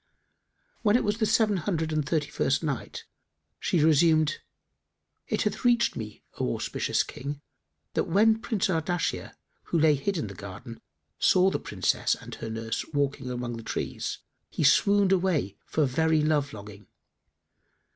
When it was the Seven Hundred and Thirty first Night, She resumed, It hath reached me, O auspicious King, that when Prince Ardashir, who lay hid in the garden, saw the Princess and her nurse walking amongst the trees, he swooned away for very love longing.